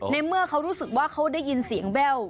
ในเมื่อเขารู้สึกว่าเขาได้ยินเสียงแว่ว